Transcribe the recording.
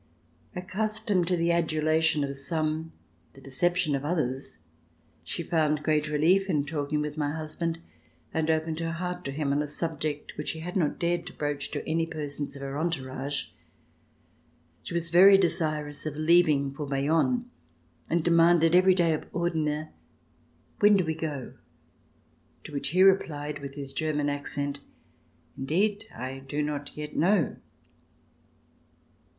Accustomed to the adulation of some, the deception of others, she found great relief in talking with my husband and opened her heart to him on a subject which she had not dared to broach to any persons of her entourage. She was very desirous of leaving for Bayonne and demanded every day ofOrdener:"When do we go.'' " to which he replied with his German accent :*' Indeed, I do not yet know."